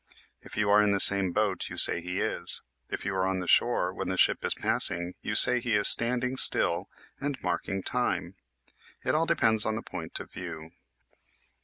If you are in the same boat, you say he is. If you are on shore when the ship is passing you say he is standing still and " marking time." It all depends on the point of view.